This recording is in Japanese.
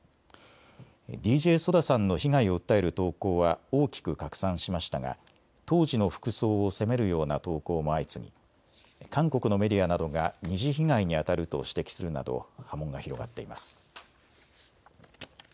ＤＪＳＯＤＡさんの被害を訴える投稿は大きく拡散しましたが当時の服装を責めるような投稿も相次ぎ韓国のメディアなどが２次被害にあたると指摘するなど波紋が広がっています。